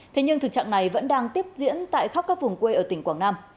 thế nhưng thực trạng này vẫn đang tiếp diễn tại khắp các vùng quê ở tỉnh quảng nam